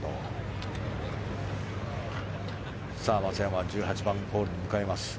松山、１８番ホールに向かいます。